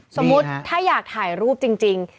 สมมุติถ้าอยากถ่ายรูปจริง